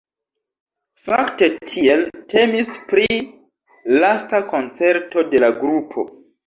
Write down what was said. Fakte tiel temis pri lasta koncerto de la grupo.